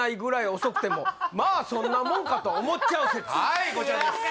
はいこちらです